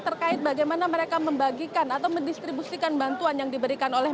terkait bagaimana mereka membagikan atau mendistribusikan bantuan yang diberikan oleh